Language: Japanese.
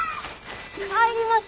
帰ります！